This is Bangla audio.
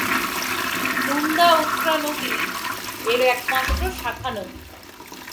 নুন্দা-উত্রা নদী এর একমাত্র শাখানদী।